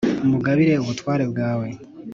mugabire ubutware bwawe,